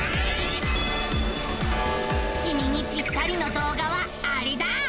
きみにぴったりの動画はアレだ！